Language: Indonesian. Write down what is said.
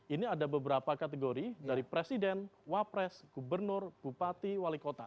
ini ada beberapa kategori dari presiden wapres gubernur bupati wali kota